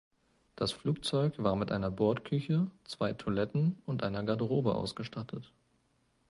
Das Flugzeug war mit einer Bordküche, zwei Toiletten und einer Garderobe ausgestattet.